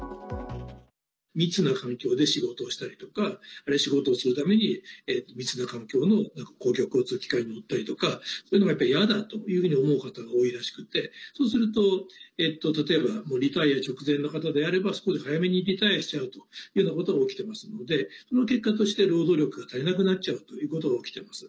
密な環境で仕事をしたりとかあるいは仕事をするために密な環境の公共交通機関に行ったりとかそういうのが、やっぱり嫌だと思う方が多いらしくてそうすると、例えばリタイア直前の方であればそこで早めにリタイアしちゃうというようなことが起きてますのでその結果として労働力が足りなくなっちゃうということが起きてます。